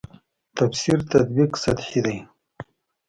تفسیر تطبیق سطحې دي.